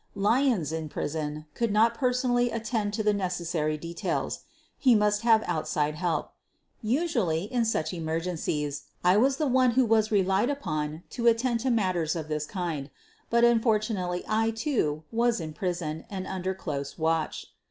Lyons, in prison, could not personally attend to the necessary details. He must have outside help. Usually, in such emergencies, I was the one who was relied upon to attend to matters of this kind — but, unfortunately, I, too, was in prison and under close watch.